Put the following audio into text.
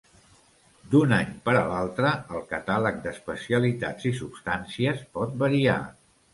D'un any per a l'altre el catàleg d'especialitats i substàncies pot variar.